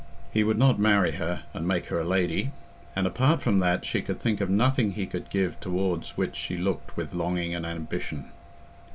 He would not marry her and make her a lady; and apart from that she could think of nothing he could give towards which she looked with longing and ambition.